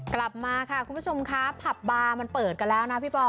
กลับมาค่ะคุณผู้ชมครับผับบาร์มันเปิดกันแล้วนะพี่ปอ